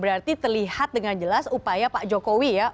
berarti terlihat dengan jelas upaya pak jokowi ya